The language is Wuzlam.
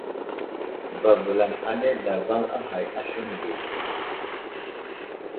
Babəlam anay zlavaŋ a ghay aslane ge.